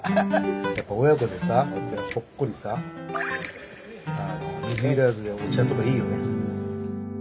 やっぱ親子でさこうやってほっこりさ水入らずでお茶とかいいよね。